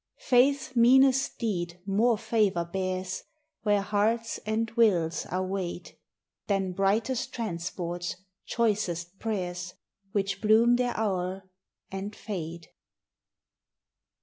Faith's meanest deed more favor bears, Where hearts and wills are weighed, Than brightest transports, choicest prayers, Which bloom their hour, and fade.